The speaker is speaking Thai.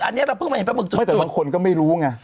อันนี้เราเพิ่งมาเห็นปลาหึกตัวไม่แต่บางคนก็ไม่รู้ไง